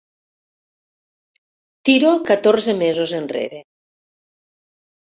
Tiro catorze mesos enrere.